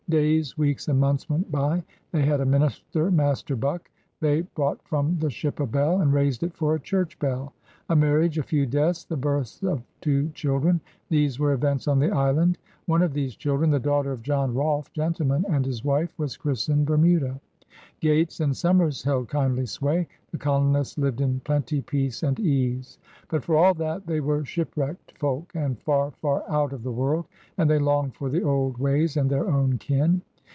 Days, weeks, and months went by. They had a minister. Master Buck. They brought from the ship a bell and raised it for a church bell. A marriage, a few deaths, the birth of two children — these were events on the island. One of these children, the daughter of John Rolfe^ gentleman, and his wife, was christened Bermuda. Gates and 68 PIONEERS OF THE OLD SOUTH Somers held kindly sway. The colonists lived in plenty, peace, and ease. But for all that, they were shipwrecked folk, and far, far out of the world, and they longed for the old ways and their own kin.